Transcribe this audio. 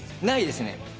ないですね。